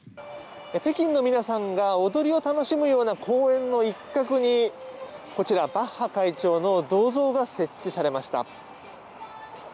北京の皆さんが踊りを楽しむような公園の一角にこちら、バッハ会長の銅像が設置されました。